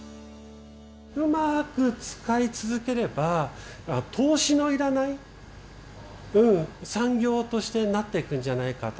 うまく使い続ければ投資の要らない産業としてなっていくんじゃないかと。